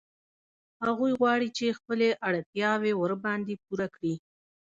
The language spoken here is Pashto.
هغوی غواړي چې خپلې اړتیاوې ورباندې پوره کړي